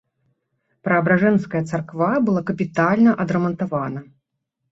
Праабражэнская царква была капітальна адрамантавана.